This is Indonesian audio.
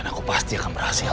rencanaku pasti akan berhasil